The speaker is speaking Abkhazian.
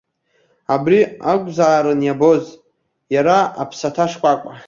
Абри акәзаарын иабоз, иара аԥсаҭа шкәакәа.